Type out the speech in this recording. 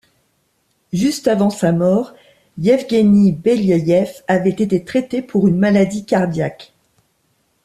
Juste avant sa mort, Evgueni Beliaïev avait été traité pour une maladie cardiaque.